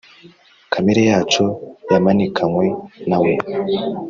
Kamere yacu yamanikanywe na we